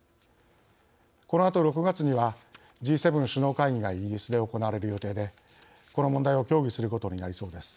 このあと６月にはＧ７首脳会議がイギリスで行われる予定でこの問題を協議することになりそうです。